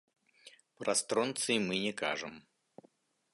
Пра стронцый мы не кажам.